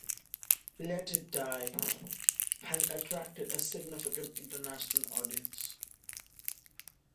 "Let It Die" has attracted a significant international audience.